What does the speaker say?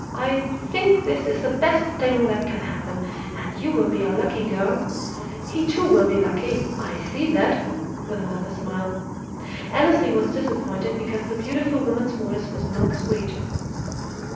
I think this is the best thing that can happen. And you will be a lucky girl. He, too, will be lucky. I see that!" with another smile. Annesley was disappointed because the beautiful woman's voice was not sweet.